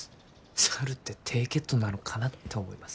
猿って低血糖なのかなって思います